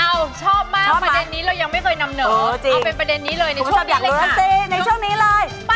เอ้าชอบมากประเด็นนี้เรายังไม่เคยนำเนินเอาเป็นประเด็นนี้เลยในช่วงนี้เลยค่ะ